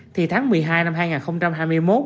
thì tháng một mươi hai năm hai nghìn hai mươi một